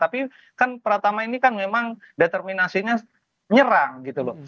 tapi kan pratama ini kan memang determinasinya nyerang gitu loh